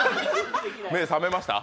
目覚めました？